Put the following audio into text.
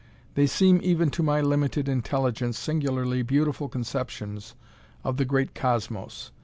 They seem even to my limited intelligence singularly beautiful conceptions of the Great Cosmos.